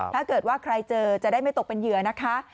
ถ้าเกิดว่าใครเจอจะได้ไม่ตกเป็นเหยื่อนะคะ